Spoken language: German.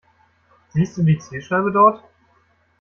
Siehst du die Zielscheibe dort?